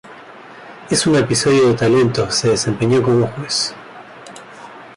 En un episodio de talento, se desempeñó como juez.